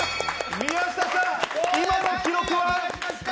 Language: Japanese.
宮下さん、今の記録は？